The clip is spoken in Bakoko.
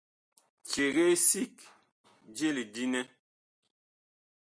Cegee sig je lidi nɛ.